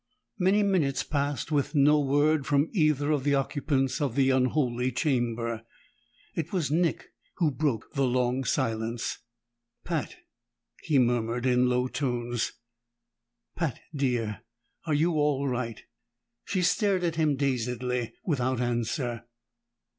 Many minutes passed with no word from either of the occupants of the unholy chamber. It was Nick who broke the long silence. "Pat," he murmured in low tones. "Pat Dear. Are you all right?" She stared at him dazedly without answer.